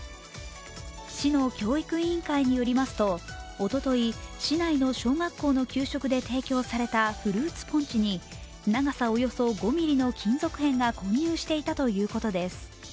市の教育委員会によりますとおととい、市内の小学校の給食で提供されたフルーツポンチに長さおよそ５ｍｍの金属片が混入していたということです。